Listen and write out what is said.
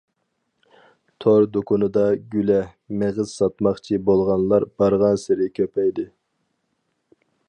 تور دۇكىنىدا گۈلە، مېغىز ساتماقچى بولغانلار بارغانسېرى كۆپەيدى.